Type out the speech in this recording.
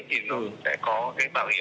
để có cái bảo hiểm